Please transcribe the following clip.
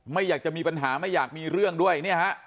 ไม่อยากจะมีปัญหาไม่อยากมีเรื่องด้วยเนี่ยฮะ